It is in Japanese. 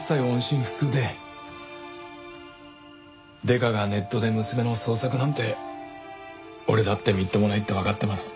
デカがネットで娘の捜索なんて俺だってみっともないってわかってます。